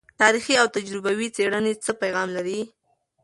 تاریخي او تجربوي څیړنې څه پیغام لري؟